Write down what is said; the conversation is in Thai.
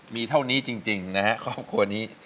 มีเท่านี้จริงนะฮะครอบครัวนี้